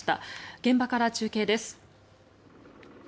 現場から中継です。